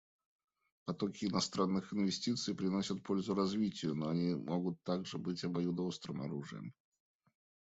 Потоки иностранных инвестиций приносят пользу развитию, но они могут также быть обоюдоострым оружием.